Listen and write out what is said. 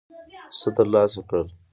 څه ترلاسه کړل.